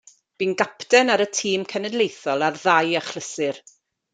Bu'n gapten ar y tîm cenedlaethol ar ddau achlysur.